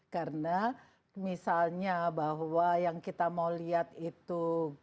karena misalnya bahwa yang kita mau lihat itu